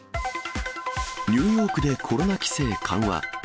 ニューヨークでコロナ規制緩和。